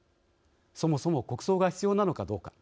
そもそも国葬が必要なのかどうか。